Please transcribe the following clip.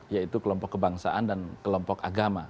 yaitu kelompok kebangsaan dan kelompok agama